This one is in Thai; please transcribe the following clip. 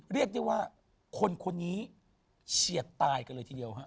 เรียกได้ว่าคนคนนี้เฉียดตายกันเลยทีเดียวฮะ